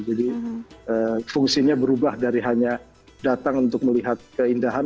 jadi fungsinya berubah dari hanya datang untuk melihat keindahan